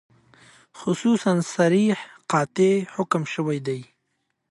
خصوصاً صریح قاطع حکم شوی دی.